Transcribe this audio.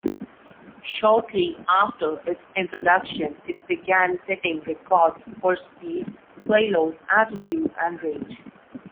Shortly after its introduction, it began setting records for speed, payload, altitude and range.